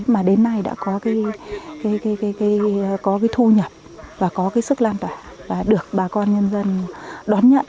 mà đến nay đã có thu nhập và có sức lan tỏa được bà con nhân dân đón nhận